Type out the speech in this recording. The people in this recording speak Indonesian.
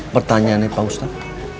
pertanyaannya pak ustadz